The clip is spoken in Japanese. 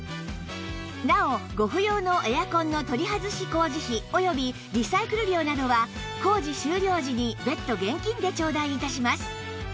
なおご不要のエアコンの取り外し工事費およびリサイクル料などは工事終了時に別途現金で頂戴致します